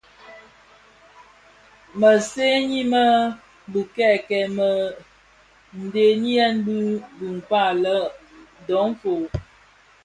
Mësëňi mË bikekel mèn ndheňiyên bi dhikpag lè dofon.